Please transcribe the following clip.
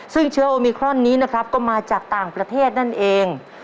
ซึ่งเชื้อโอมิครอนนี้นะครับก็มาจากต่างประเทศนั่นเอง